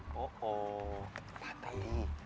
โอ้โหปาร์ตี้